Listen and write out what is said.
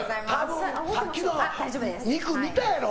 さっきの肉見たやろ？